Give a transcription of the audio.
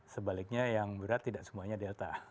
sebaliknya yang berat tidak semuanya delta